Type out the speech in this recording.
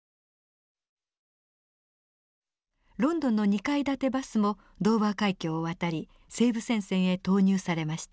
ロンドンの２階建てバスもドーバー海峡を渡り西部戦線へ投入されました。